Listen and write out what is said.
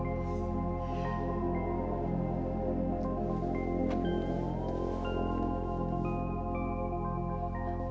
definitely doctor atau laufen biar barrier yang ini sempurno kyat tu